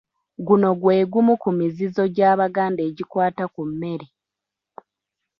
Guno gwe gumu ku mizizo gy'Abaganda egikwata ku mmere.